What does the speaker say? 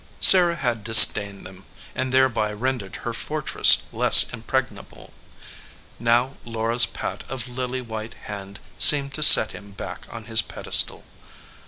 Sarah had disdained them, and thereby rendered her fortress less impregnable. Now Laura s pat of lily white hand seemed to set him back on his pedestal.